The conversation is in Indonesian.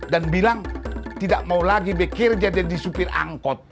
dan bilang tidak mau lagi bekerja jadi supir angkot